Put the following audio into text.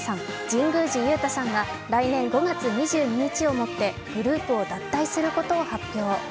神宮寺勇太さんが来年５月２２日をもって、グループを脱退することを発表。